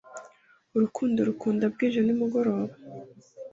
urukundo rukunda bwije nimugoroba